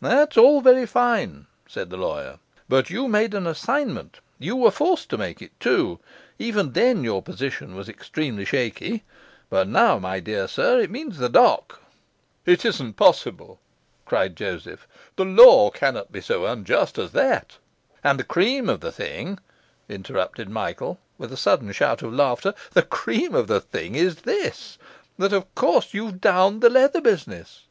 'That's all very fine,' said the lawyer; 'but you made an assignment, you were forced to make it, too; even then your position was extremely shaky; but now, my dear sir, it means the dock.' 'It isn't possible,' cried Joseph; 'the law cannot be so unjust as that?' 'And the cream of the thing,' interrupted Michael, with a sudden shout of laughter, 'the cream of the thing is this, that of course you've downed the leather business!